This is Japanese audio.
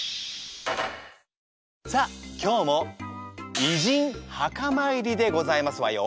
さあ今日も偉人墓参りでございますわよ。